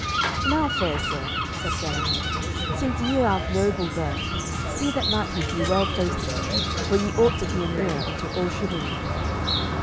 "Now, fair sir," said Galahad, "since ye are of noble birth, see that knighthood be well placed in you, for ye ought to be a mirror unto all chivalry."